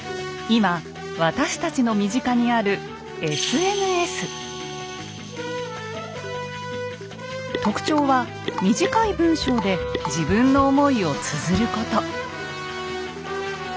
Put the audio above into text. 今私たちの身近にある特徴は短い文章で自分の思いをつづること。